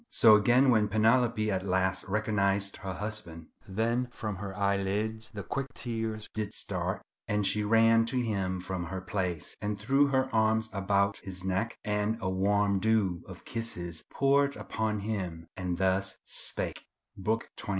So again when Penelope at last recognized her husband:— "Then from her eyelids the quick tears did start And she ran to him from her place, and threw Her arms about his neck, and a warm dew Of kisses poured upon him, and thus spake:" —Book xxiii.